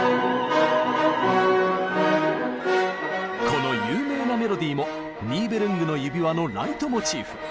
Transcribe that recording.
この有名なメロディーも「ニーベルングの指環」のライトモチーフ。